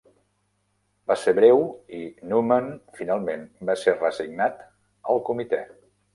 Va ser breu i Neumann finalment va ser reassignat al comitè.